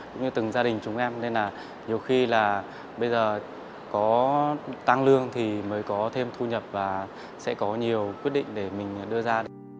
cũng như từng gia đình chúng em nên là nhiều khi là bây giờ có tăng lương thì mới có thêm thu nhập và sẽ có nhiều quyết định để mình đưa ra